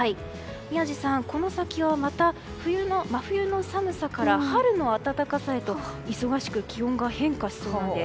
宮司さん、この先はまた冬の真冬の寒さから春の温かさへと忙しく気温が変化しそうなんです。